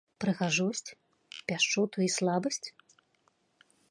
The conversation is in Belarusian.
Прыгажосць, пяшчоту і слабасць?